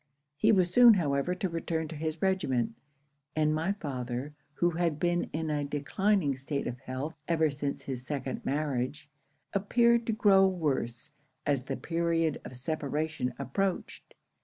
He was soon however to return to his regiment; and my father, who had been in a declining state of health ever since his second marriage, appeared to grow worse as the period of separation approached.